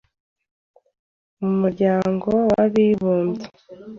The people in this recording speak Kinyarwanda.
mu Muryango w’Abibumbye,